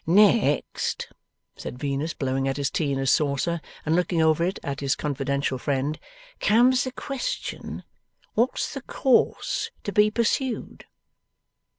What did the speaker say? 'Next,' said Venus, blowing at his tea in his saucer, and looking over it at his confidential friend, 'comes the question, What's the course to be pursued?